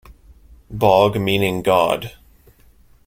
Bog meaning God.